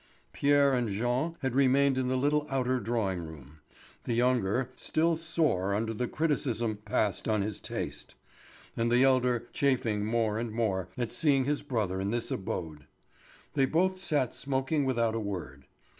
Pierre and Jean had remained in the little outer drawing room; the younger still sore under the criticism passed on his taste, and the elder chafing more and more at seeing his brother in this abode. They both sat smoking without a word.